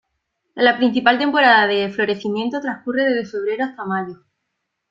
La principal temporada de florecimiento transcurre desde febrero hasta mayo.